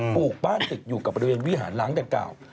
ปลูกบ้านติดอยู่กับบริเวณวิหารล้างดังกล่าว